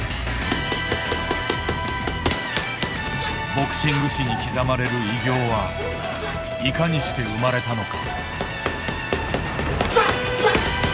ボクシング史に刻まれる偉業はいかにして生まれたのか。